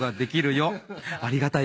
ありがたや。